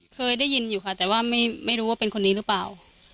เคยได้ยินอยู่ค่ะแต่ว่าไม่รู้ว่าเป็นคนนี้หรือเปล่า